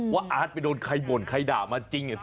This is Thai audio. อาร์ตไปโดนใครบ่นใครด่ามาจริง